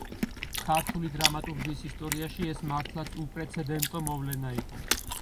ქართული დრამატურგიის ისტორიაში ეს მართლაც უპრეცედენტო მოვლენა იყო.